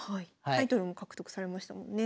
タイトルも獲得されましたもんね。